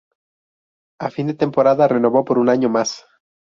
A fin de temporada renovó por un año más.